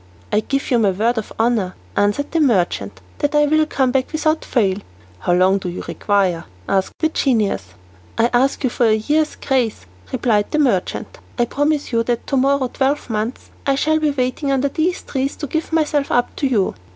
"I give you my word of honour," answered the merchant, "that I will come back without fail." "How long do you require?" asked the genius. "I ask you for a year's grace," replied the merchant. "I promise you that to morrow twelvemonth, I shall be waiting under these trees to give myself up to you."